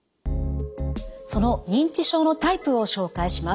その認知症のタイプを紹介します。